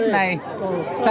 và những nhà hảo tâm